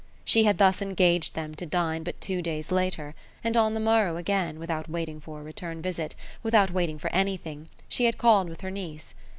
She had thus engaged them to dine but two days later, and on the morrow again, without waiting for a return visit, without waiting for anything, she had called with her niece.